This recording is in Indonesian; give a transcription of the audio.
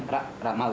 rah rah malu rah